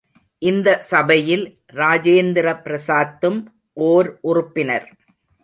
இந்த சபையில் ராஜேந்திர பிரசாத்தும் ஓர் உறுப்பினர்.